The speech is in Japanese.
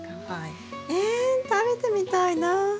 え食べてみたいな。